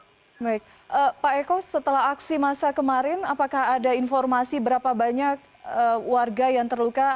baik pak eko setelah aksi masa kemarin apakah ada informasi berapa banyak warga yang terluka